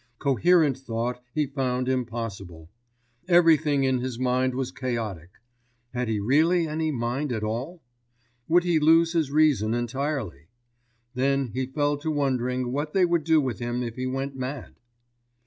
Coherent thought he found impossible. Everything in his mind was chaotic. Had he really any mind at all? Would he lose his reason entirely? Then he fell to wondering what they would do with him if he went mad?